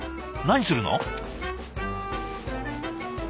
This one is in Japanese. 何するの？